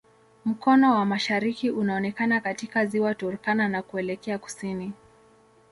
Mkono wa mashariki unaonekana katika Ziwa Turkana na kuelekea kusini.